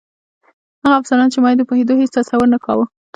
هغه افسران چې ما یې د پوهېدو هېڅ تصور نه کاوه.